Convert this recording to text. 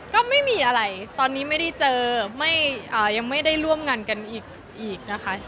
ก็ไม่มีอะไรตอนนี้ไม่ได้เจอยังไม่ได้ร่วมงานกันอีกนะคะ